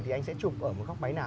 thì anh sẽ chụp ở một góc máy nào